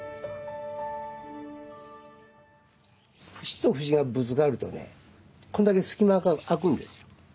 節と節がぶつかるとねこんだけ隙間が空くんですよ。